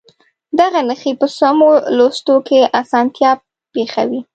دغه نښې په سمو لوستلو کې اسانتیا پېښوي.